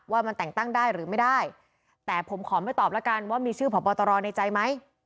ว่ามันแต่งตั้งได้หรือไม่ได้แต่ผมขอไม่ตอบแล้วกันว่ามีชื่อผอบอตรในใจไหม